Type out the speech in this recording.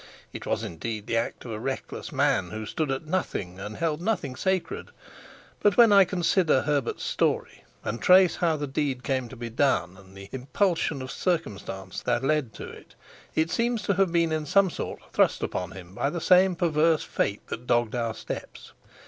It was, indeed, the act of a reckless man who stood at nothing and held nothing sacred; but when I consider Herbert's story, and trace how the deed came to be done and the impulsion of circumstances that led to it, it seems to have been in some sort thrust upon him by the same perverse fate that dogged our steps.